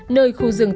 nơi khu rừng